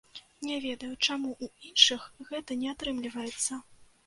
Не ведаю, чаму ў іншых гэта не атрымліваецца.